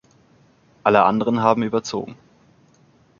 Alle anderen haben überzogen.